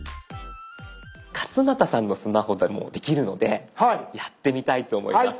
勝俣さんのスマホでもできるのでやってみたいと思います。